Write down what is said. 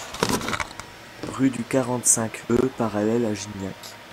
Rue du quarante-cinq e Parallèle à Gignac